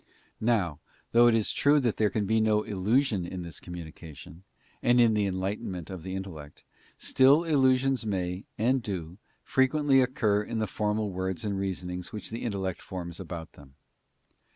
Now, though it is true that there can be no illusion in this communication, and in the enlightenment of the intellect; still illusions may, and do, frequently occur in the formal words and reasonings which the intellect forms about them.